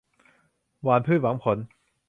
หว่านพืชหวังผล